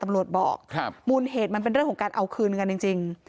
ตำรวจบอกมูลเหตุมันเป็นเรื่องของการเอาคืนกันจริง